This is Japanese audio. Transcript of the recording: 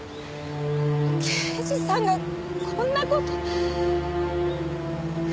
刑事さんがこんな事。